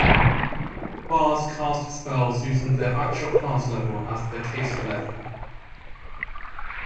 Bards cast spells using their actual class level as their caster level.